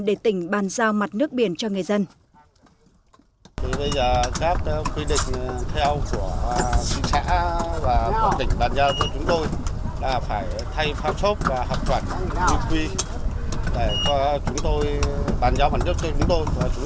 để tỉnh bàn giao mặt nước biển cho người dân